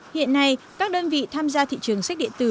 hiện nay các đơn vị tham gia thị trường sách điện tử